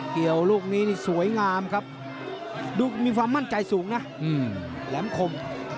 เกี่ยวลูกนี้นี่สวยงามครับดูมีความมั่นใจสูงนะแหลมคม